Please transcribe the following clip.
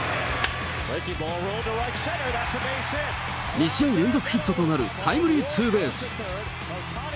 ２試合連続ヒットとなるタイムリーツーベース。